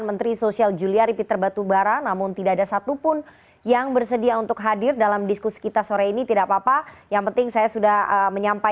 majelis hakim memfonis dua belas tahun pidana penjara